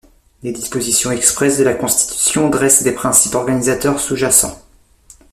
Les dispositions expresses de la Constitution dressent des principes organisateurs sous-jacents.